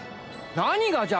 何がじゃ。